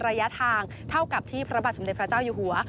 ระยะทางเท่ากับที่พระบาทสมเด็จพระเจ้าอยู่หัว